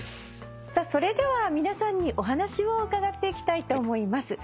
それでは皆さんにお話を伺っていきたいと思います。